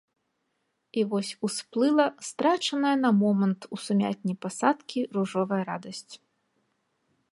І вось усплыла страчаная на момант у сумятні пасадкі ружовая радасць.